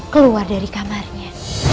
keluar dari kamarnya